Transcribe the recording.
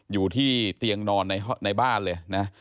อยู่ที่เตียงนอนในบ้านเลยนะ